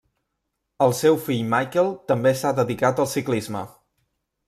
El seu fill Michael també s'ha dedicat al ciclisme.